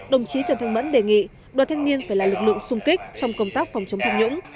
đồng chí trần thanh mẫn đề nghị đoàn thanh niên phải là lực lượng sung kích trong công tác phòng chống tham nhũng